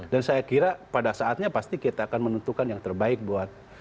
dan saya kira pada saatnya pasti kita akan menentukan yang terbaik buat